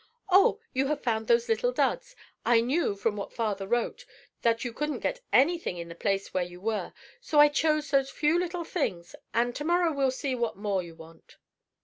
"Oh, you have found those little duds. I knew, from what Father wrote, that you couldn't get any thing in the place where you were, so I chose those few little things, and to morrow we'll see what more you want."